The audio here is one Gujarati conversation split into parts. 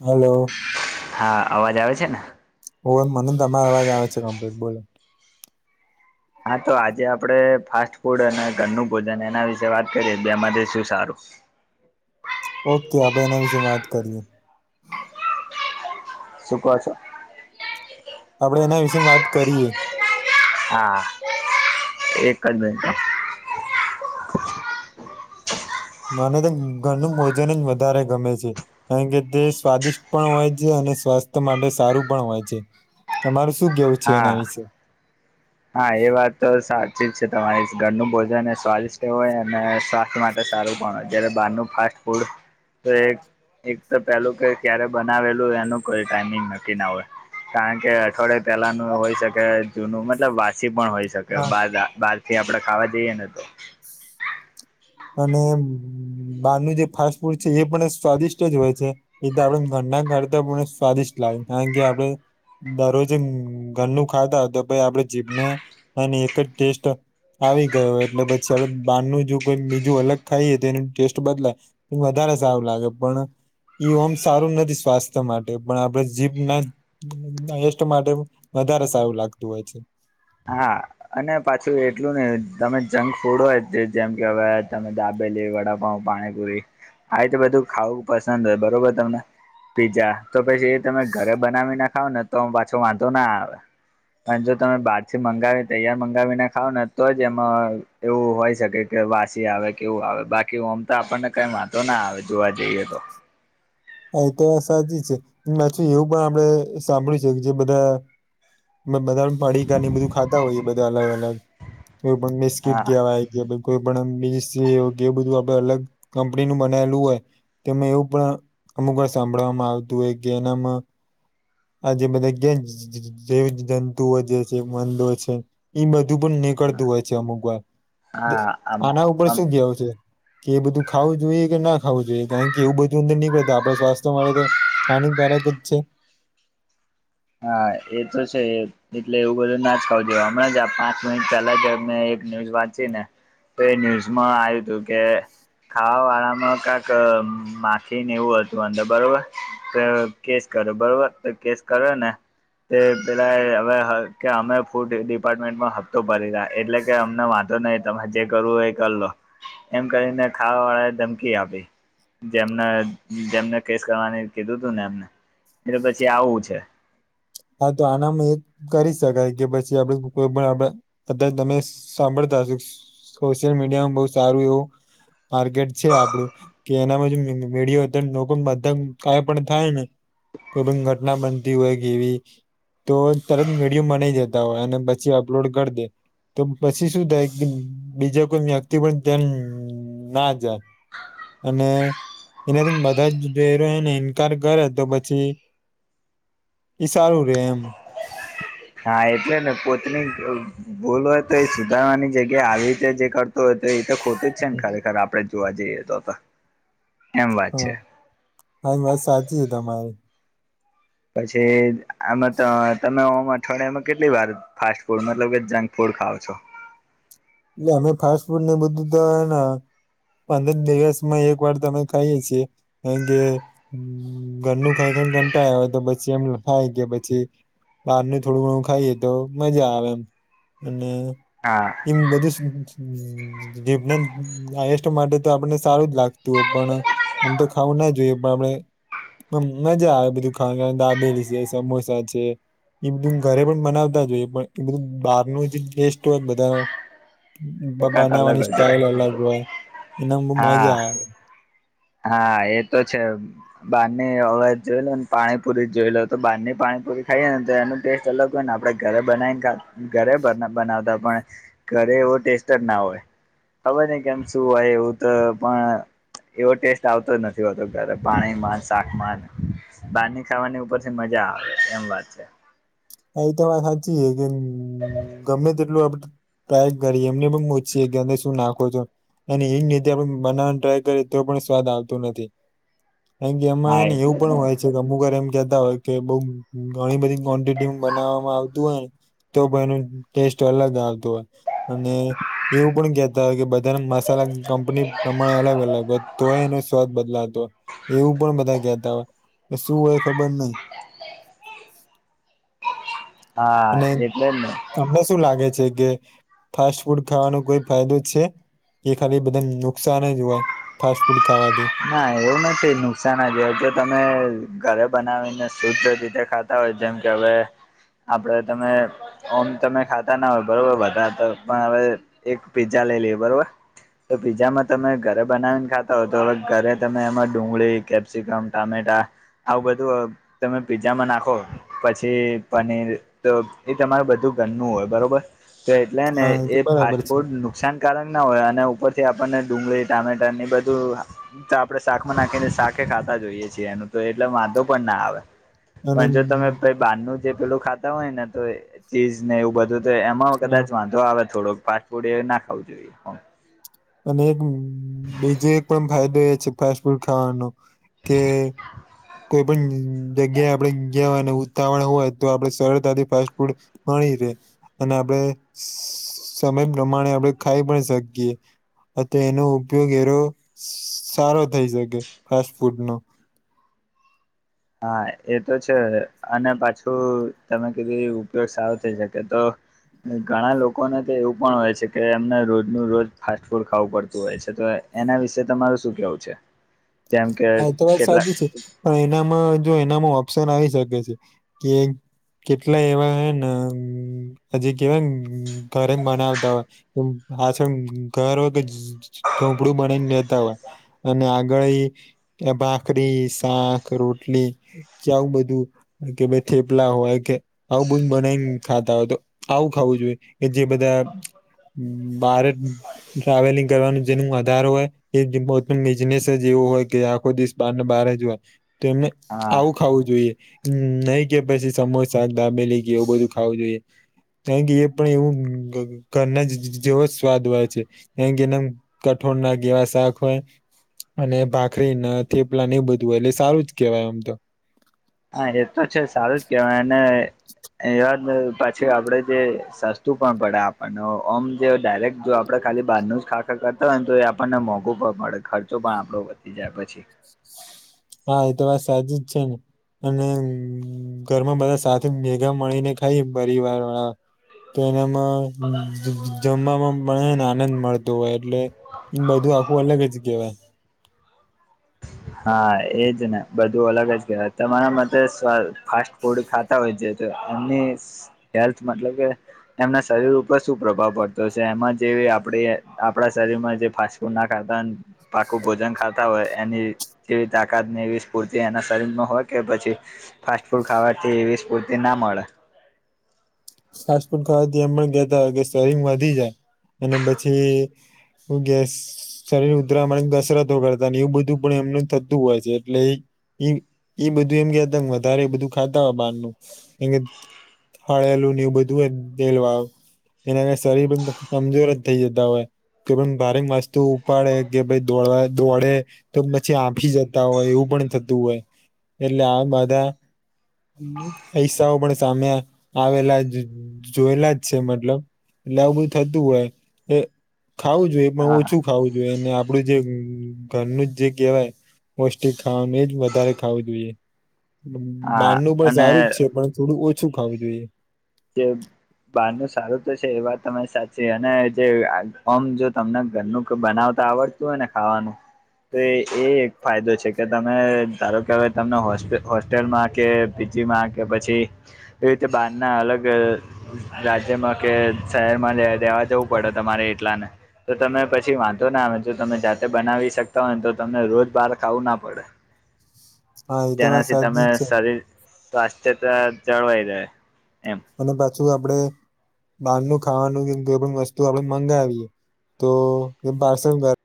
હલો. હા અવાજ આવે છે ને? હો મનને તમારા અવાજ આવે છે કમ્પ્લીટ બોલો. હા તો આજે આપડે ફાસ્ટ ફૂડ અને ઘરનું ભોજન એના વિશે વાત કરીએ બેમાંથી શું સારું. ઓકે અઈ એના વિશે વાત કરીએ. શ ક છે. આપડે એના વિશે વાત કરીએ. હા, એક જ મિનટ. મને તો ઘરનું ભજન જ વધારે ગમે છે. કારણ કે તે સ્વાદિષ્ટ પણ હોય છે અને સ્વાસ્થ્ય માટે સારું પણ હોય છે. તમારું શું કેવું છે એના વિશે? હ. [inaudible] હા એ વાત તો સાચી જ છે તમારી ઘરનું ભોજન સ્વાદિષ્ટ હોય અને સ્વાસ્થ્ય માટે સારું પણ જયારે બહારનું ફાસ્ટ ફૂડ તો એક તો પેલું ક ક્યારે બનાવેલું એનું કોઈ ટાઈમિંગ નકી ના હોય. કારણ કે અઠવાડિયાે પહેલાનું હોય શકે જૂનું મતલબ વાસી પણ હોય શકે બાદ કે આપડે ખાવા જઈએને તો. અને બહારનું જે ફાસ્ટ ફૂડ છે એ પણ સ્વાદિષ્ટ જ હોય છે. એ તો આપડ ઘરના ઘર તો આપને સ્વાદિષ્ટ લાગે કારણ કે આપડણે દરરોજ ઘરનું ખાતાા તો ભાઈ આપડે જીભને, અને એક જ ટેસ્ટ આવી ગયો એટલે પછી આપડે બારનું જુ બીજું અલગ ખાઈએ તો એનું ટેસ્ટ બદલાય, વધારે સારું લાગે પણ ઈ ઓમ સારું નથી સ્વાસ્થ્ય માટે પણ આપણે જીભ ના એસ્ટ માટે વધારે સારું લાગતું હોય છે. હા. અને પાછું એટલું નહ તમે જંક ફૂડ હોય જેમ કે હવે તમે દાબેલી વડાપા પાણી. હ તો બધું ખાવું પસંદ હોય બરોબર તમને પીઝા, તો પછી એ તમે ઘરે બનાવી ના ખાવ ને તો હ પાછો વાંધો ના આવે, પણ જો તમે બા થી મંગાવી તૈયાર મંગાવીને ખાવ ને તો જ એમાં એવું હોય શકે કે વાસી આવે કેવું આવે બાક કી ઓમ તો આપણને કઈ વાતો ના આવે જોવા જઈએ તો. હા એ તો સાચી છે મેચું એવું પણ આપડે સાંભળ્યું છે કે જે બધા, અ બધા પડીકા ને એ બધું ખાતા હોય બધા અલગ અલગ એ બિસ્કીટ હા કેહેવાય કે, કોઈ પણ [unintelligible] કે બધું આપણે અલગ કંપની નું બનાયલું હોય તેમે એવું પણ, અમુક વાર સાંભળવામાં આવતું હોય કે એનામ, આ જે બધા કે જૈવિક જંતુઓ જે છે મંદો છે. એઈ બધું પણ નીકળતું હોય છે અમુક વાર, હા આમ આના ઉપર આમ શું કવું છે. કે એ બધું ખાવું જોઈએ કે ના ખાવું જોઈએ કારણ કે એવું બધું અંદર નીકળે આપડ સ્વાસ્થ્ય માટે તો, હાનિકારક જ છે. હા એ તો છે. એટલે એવું બધું ના જ ખાવ દ હણાં જ આ પાંચ મિનિટ પહેલા જ અમે એક ન્યૂઝ વાંચી ને, તો એ ન્યૂઝમાં આવ્યું હતું કે, ખાવા વાળામાં કાક માખી ને એવું હતું અંદર બરોબર કે, કેશ કરે બરોબર તો કેસ કરે ને, તે પેલા હવે કે અમે ફૂડ ડિપાર્ટમેન્ટમાં હપ્તો ભરી રહ્યા એટલે કે અમને વાંધો નહી, તમારે જે કરવું હોય એ કર લો એમ કરીને ખાવાવાળા ને ધમકી આપી. જેમને જેમને કેસ કરવાનું કીધું તું ને એમને એ તો પછી આવું છે. હા તો આનામાં એ કરી શકાય કે પછી આપડે કોઈ પણ આપડે, કદાચ તમે સાંભળતા હશો સોશિયલ મીડિયામાં બહુ સારું એવું, માર્કેટ છે આપડું, કે એનામાં જે મીડયો હતો લોકડમ કાઇ પણ થાય ને, કોઈ પણ ઘટના બનતી હોય કેવી, તો તરત વિડીયો મનાઈ જતા હોય અને પછી અપલોડ કરી દે, તો પછી શું થાય બીજા કોઈ વ્યક્તિ પણ ત્યા ના જાય. અને એનાથી બધા જ ડરો એને ઇન્કાર કરે તો પછી, એ સારું રે એમ, હા એટલે ને પોતની ભૂલ હોય તો એ સુધારવાની જગ્યા આવી રીતે જે કર તો તો એ તો ખોટું જ છે ને ખરેખર આપણેે જોવા જઈએ તો અત્યાર, હા હા વાત સાચી છે તમારી, પછી આમાં તમે માટે, અઠવાડિયામાં કેટલીવાર ફાસ્ટ ફૂડ મતલબ કે જંક ફૂડ ખાવ છો? એટલે અમે ફાસ્ટ ફૂડ ને બધું તો હેન, પંદર દિવસમાં એકવાર ત અમે ખાઈએ છીએ. કારણ કે ઘરનું ખાઈ ખાઈ કંટાળ્યા હોય તો પછી એમ થાય કે પછી, બહારનું થોડું ઘણું ખાઈએ તો મજા આવે એમ અને, હા, એમ બધુ જ જીમ બીમ ડાયેસ્ટ માટે, તો આપને સારું જ લાગતું હોય પણ આમ તો ખાવું ના જોઈએ પણ આપણે, આમ મજા આવે બધું ખાવાન દાબેલી છે, સમોસા છે. એ બધું ઘરે પણ બનાવતા હોઈએ પણ એ બધું બહારનું જે ટેસ્ટ હોય બધા, બ એ કાંક અલગ બનાવાની જ હોય સ્ટાઈલ અલગ હોય એના બહુ હા મજા આવે. હા એ તો છે. બારની હવે જ જોઈ લો ને પાણીપુરી જોઈ લો તો બાર ની પાણીપુરી ખાઈએ ને તો એને ટેસ્ટ અલગ હોય ને આપણે ઘરે બનાવીને ઘરે બનાવતા પણ ઘરે એવો ટેસ્ટ જ ના હોય ખબર નઈ કેમ શું હોય એવું તો પણ એવો ટેસ્ટ આવતો જ નથી હોતો ઘરે પાણીમાં શાકમાં બારની ખાવાની ઉપર થી મજા આવે એમ વાત છે. એમ તો વાત હાચી હે કે ગમે તેટલું આપડે ટ્રાય કરીએ એમને પણ પૂછીએ કે તમે શું નાખો છો અને એજ રીતે આપણે બનાવાની ટ્રાય કરીએ તો પણ સ્વાદ આવતો નથી. કારણ કે એમાં હા હેને એવું એટલે જ પણ ને હોય છે કે અમુક વાર કેતા હોય કે બઉ ઘણી બધી ક્વોન્ટિટી માં બનાવામાં આ તોય તો પણ એનું ટેસ્ટ અલગ આવતો હોય અને એવું પણ કેહતા હોય કે બધાના મસાલા કંપની પ્રમાણે અલગ અલગ હોય તોય એનો સ્વાદ બદલાતો એવું પણ બધા કેતા હોય શું હોય ખબર નય હા અને એટલે જ ને તમને શું લાગે છે કે ફાસ્ટ ફૂડ ખાવાનો કોઈ ફાયદો છે કે ખાલી બધાને નુકસાન જ હોય ફાસ્ટ ફૂડ ખાવાથી ના એવું નથી નુકસાન જ હોય જો તમે ઘરે બનાવીને શુદ્ધ રીતે ખા તા હોય જેમ કે હવે આપડે તમે ઓમ તમે ખાતા ના હોય બરોબર બધા તો પણ હવે એક પીઝા લઈ લીયે બરોબર તો પીઝામાં તમે ઘરે બનાવીને ખાતા હોય તો હવે ધરે તમે એમાં ડુંગળી કેપ્સિકમ ટામેટા આવું બધું તમે પીઝામાં નાખો પછી પનીર તો એ તમારું બધું ઘરનું હોય બરોબર તો એટલે ને હા તો એ બરાબર ફાસ્ટ છે ફૂડ નુકસાન કારક ના હોય અને ઉપરથી આપણને ડુંગળી ટામેટા ને બધું તો આપણે શાક માં નાખીને શાકે ખાતા જ હોઈએ છીએ એનું તો એટલે વાંધો પણ ના આવે અને પણ જો તમે કઈ બહારનું જે પેલું ખાતા હોય ને તો ચીઝ ને એવું બધું તો એમાં હા કદાચ વાંધો આવે થોડોક ફાસ્ટ ફૂડ એ ના ખાવું જોઈએ. અને એક બીજો એક પણ ફાયદો એ છે ફાસ્ટ ફૂડ ખાવાનો કે કોઈ પણ જગ્યાએ આપણે ગયા હોય ને ઉતાવળ હોય તો આપે સરળતાથી ફાસ્ટ ફૂડ મળી રે અને આપણેે સમય પ્રમાણે આપણેે ખાઈ પણ શકીએ. હ તો એનો ઉપયોગ એરો સારો થઈ શકે ફાસ્ટ ફૂડ નો. હા એ તો છે અને પાછું તમે કીધું એ ઉપયોગ સારો થઈ શકે તો ઘણા લોકોને તો એવું પણ હોય છે કે એમને રોજનું રોજ ફાસ્ટ ફૂડ ખાવું પડતું હોય છે તો એના વિશે તમારું શું કેવું છે જેમ કે હા તો વાત કેટલાક સાચી છે પણ એનામાં જો એનામાં ઓપ્શન આવી શકે છે કે કેટલા એવા હેન હજી કેવાય ઘરે જ બનાવતા હોય [unintelligible] ઘર હો કે ઝોપડું બનીને નેતા હોય અને આગળ એ ભાખરી શાક રોટલી કે આવું બધું કે ભાઈ થેપલા હોય કે આવું બધું બનાવીને ખાતા હોય તો આવું ખાવું જોઈએ કે જે બધા બારે ટ્રાવેલિંગ કરવાનું જેનું વધારે હોય એ [unintelligible] બિઝનેસ જ એવું હોય કે આખો દિવસ બારને બાર જ હોય તો એમને હા આવું ખાવું જોઈએ. નહી કે પછી સમોસા દાબેલી કે એવું બધું ખાવું જોઈએ. કારણ કે એ પણ એવું ઘરના જેવાો જ સ્વાદ હોય છે. [unintelligible] એનામ કઠોળ ના જે એવા શાક હોય અને ભાખરી ને થેપલાને એ બધું હોય એટલે સારું જ કેહેવાય આમ તો. હા એ તો છે સારું જ કેહેવાય ને. [unintelligible] પછી આપડે જે સસ્તું પણ પડે આપણને ઓ ઓમ જે ડાયરેક્ટ જો આપડે ખાલી બહાર નું જ ખાખા કરતા હોય ને તો એ આપણને મોંઘુ પણ પડે ખર્ચો પણ આપડો વધી જાય પછી. હા એ તો વાત સાચી જ છે ને. અને ઘરમાં બધા સાથે ભેઘા મળીને ખાઈએ પરિવાર વાળા તો એનામાં જમવામાં પણ હેને આનંદ મળતો હોય એટલે ઈ બધું આખું અલગ જ કેવાય. હા એજ ને બધું અલગ જ કેહેવાય તમારા માતે સવ ફાસ્ટ ફૂડ ખા તા હોય તો એમની હેલ્થ મતલબ કે. એમના શરીર ઉપર શું પ્રભાવ પડતો હશે એમાં જે આપણે આપણા શરીરમાં જે ફાસ [unintelligible] પાકું ભોજન ખાતા હોય એની જેવી તાકાતને એવી સ્ફૂર્તિ એના શરીરમાં હોય કે પછી ફાસ્ટ ફૂડ ખાવાથી એવી સ્ફૂર્તિ ના મળે. ફાસ્ટ ફૂડ ખાવાથી એમ પણ કેતા હોય કે શરીર વધી જાય અને પછી હું ગેસ. શરીર ઉધરા મળને કસરતો કરતા ને એવું બધું પણ એમને થતું હોય છે એટલે એ એ એ બધું એમ [unintelligible] વધારે બધું ખાતા હો બહારનું હડેલું ને એવું બધું તેલ વાળું એના કારણે શરીર કમજોર જ થઈ જતા હોય. કે પણ ભારે વસ્તુ ઉપાડે કે ભાઈ દોડવા દોડે તો પછી હાંફી જતા હોય એવું પણ થતું હોય એટલે આ બધા પૈસ્સાઓ પણ સામે આવેલા જોયેલા જ છે મતલબ એટલે આવું બધું થતું હોય. એ ખાવું જોઈએ પણ હા ઓછું ખાવું જોઈએ. અને આપડું જે ઘરનું જ જે કેવાય પૌષ્ટિક ખાવાનું એજ વધારે ખાવું જોઈએ. હા બારનું પણ અને સારું જ છે પણ થોડું ઓછું ખાવું જોઈએ. [unintelligible] બારનું સારું તો છે એ વાત તમારી સાચી અને જે ઓમ જો તમને ઘરનું ક બનાવતા આવડ તો એને ખાવાનું. તો એ એક ફાયદો છે કે તમે ધારો કે અવે તમને હોસ્ટ હોસ્ટેલમાં કે કે પછી એ રીતે બારના અલગ રાજ્યમાં કે શહેરમાં રે રહેેવા જવું પડે તમારે એટલાને. તો તમે પછી વાંધો ના આવે જો તમે જાતે બનાવી શકતા હોય ને તો તમને રોજ બાર ખાવું ના પડે. હા એ તો વાત જેનાથી તમે સાચી જ છે શરીર સ્વાસ્થ્યતા જળવાઈ રહે. એમ. અને પાછું આપડે બારનું ખાવાનું જેમકી આપડે વસ્તુ આપડે મંગાવીએ તો કેમ પાર્સલ કર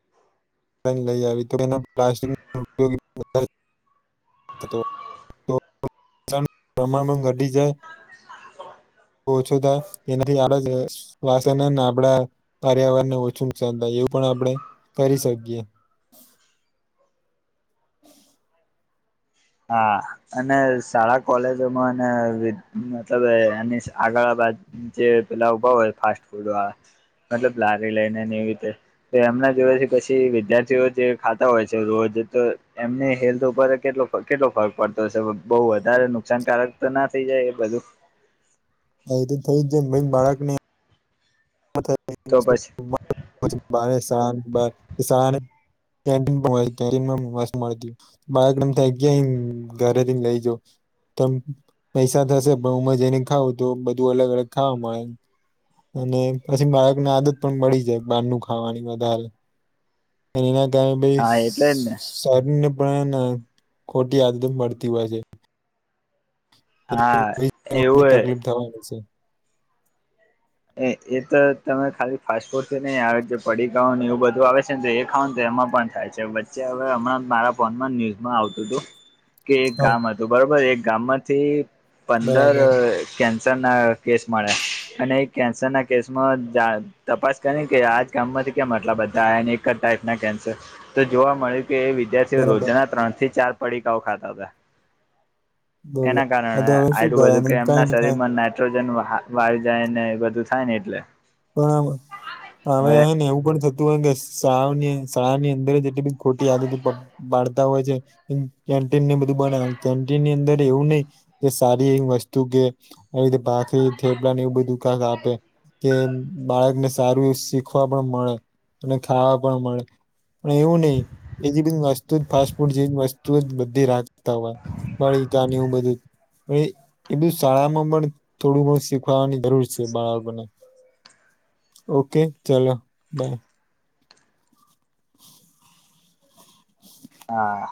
લઈ આવી તો એના પ્લાસ્ટિક ઉપયોગી તો પ્રમાણમાં ઘટી જાય. ઓછું થાય એનાથી આપડું શ્વાસ અને આપડા પર્યાવરણને ઓછું નુકસાન થાય એવું પણ આપડે કરી શકીએ. [inaudible] હા. અને શાળા કોલેજોમાં અને મતલબ એની આગળ બાદ જે પેલા ઉભા હોય ફાસ્ટ ફૂડ વાળ, મતલબ લારી લઈને ને એવી રીતે. તો એમના દવાથી પછી વિદ્યાર્થીઓ જે ખાતા હોય છે રોજ તો એમની હેલ્થ ઉપર કેટલો કેટલો ફર્ક પડતો હશે‌. બોઉ વધારે નુકસાનકારક તો ના થઈ જાય એ બધું. મોટું થઈ જ છે બાળકને તો પછી [unintelligible] [unintelligible] બાળકને એમ થાય ગયા ઘરે થીને લઈ જો. તમ પૈસા થશે પણ હુમાં જઈને ખાવ તો બધું અલગ અલગ ખાવા મળે. અને પછી બાળકને આદત પણ પડી જાય બારનું ખાવાની વધારે. અને એના કારણે પછી હા એટલે જ ને શરીરને પણ ખોટી આદત મળતી હોય છે. હા એ એવું તકલીફ થવાની છે. એ એ તો તમે ખાલી ફાસ્ટ ફૂડથી નઈ આવે પડીકાઓ ને એવું બધું આવે છે ને તો એ ખાવ ને તો એમાં પણ થાય છે. વચ્ચે હવે અમણાં મારા ફોનમાં ન્યુઝમાં આવતું હતું. કે એક હા ગામ હતું બરોબર એક ગામમાંથી પંદર બરાબર કેન્સરના કેસ મળ્યા, અને કેન્સરના કેસમાં તપાસ કરી કે આજ ગામમાંથી કેમ આટલા બધાને એક જ ટાઈપના કેન્સર. તો જોવા મળ્યું કે એ વિદ્યાર્થીઓ બરાબર રોજના ત્રણ થી ચાર પડીકાઓ ખાતા હતા. બોલો એના આ તો કારણે હવે શું આટલું બધું કે કરવાનું કઈ એમના ન થાય શરીરમાં નાઈટ્રોજન વાયુ જાય ને એ બધું થાય ને એટલે. પણ અવે હવે હેને ને એવું પણ થતું હોય કે શાળાની શાળાની અંદર જ કેટલીક ખોટી આદત હોય છે, કેન્ટીનને બધું બનાવે કેન્ટીનની અંદર એવું નઈ એ સારી એવી વસ્તુ કે, તે ભાખરી થેપલા ને એવું બધું કા આપે. કે બાળકને સારું શીખવા પણ મળે, અને ખાવા પણ મળે. પણ એવું નઈ, એ જે બી વસ્તુ જ ફાસ્ટ ફૂડ જે વસ્તુ જ બધી રાખતા હોય. પડીકા ને એવું બધું. એ બધું શાળામાં પણ થોડું ઘણું શીખવાની જરૂર છે બાળકોને. ઓકે ચાલો બાય. હ. હા,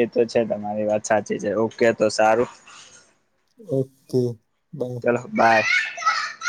એ તો છે તમારી વાત સાચી છે ઓકે તો સારું. Okay bye. ચલો બાય.